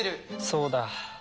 そうだ。